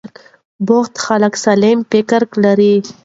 بوخت خلک سالم فکر لري.